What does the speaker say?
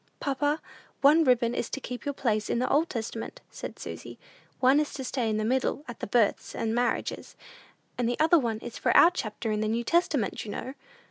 "Papa, one ribbon is to keep your place in the Old Testament," said Susy; "one is to stay in the middle, at the births and marriages; and the other one is for our chapter in the New Testament, you know."